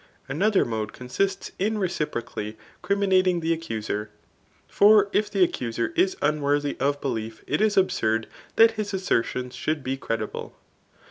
Another mode consists in reciprocally criminating the accuser ; for if the accuser is unworthy of belief, it is absurd that his assertions should be credi ble.